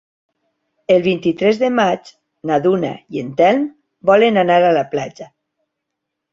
El vint-i-tres de maig na Duna i en Telm volen anar a la platja.